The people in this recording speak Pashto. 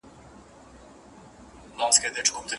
املا دې ښکلې کېږي.